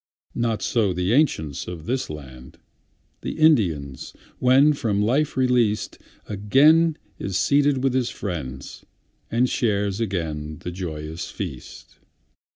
Not so the ancients of these lands;—The Indian, when from life released, Again is seated with his friends, And shares again the joyous feast.